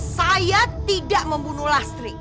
saya tidak membunuhlah